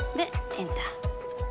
エンター。